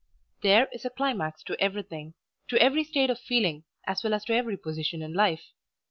THERE is a climax to everything, to every state of feeling as well as to every position in life.